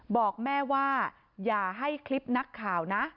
บอกแม่ว่าอย่าให้คลิปนักข่าวนะ